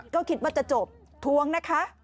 ก็คิดว่าจะจบทวงนะคะ